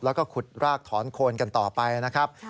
แล้วก็ขุดรากถอนโคนกันต่อไปนะครับ